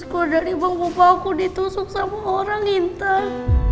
aku udah dibawa bapakku ditusuk sama orang intan